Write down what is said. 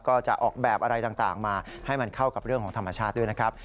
ก็จะออกแบบอะไรต่างมาให้มันเข้ากับเรื่องของธรรมชาติด้วยนะครับ